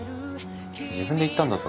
自分で言ったんだぞ？